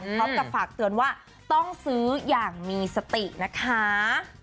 พร้อมกับฝากเตือนว่าต้องซื้ออย่างมีสตินะคะ